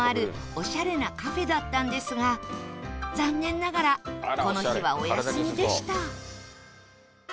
オシャレなカフェだったんですが残念ながらこの日はお休みでした